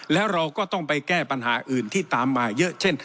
แล้วเราก็ต้องไปแก้ปัญหาอื่นที่ตามมาเยอะเช่น